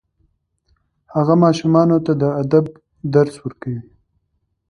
هغه ماشومانو ته د ادب درس ورکوي.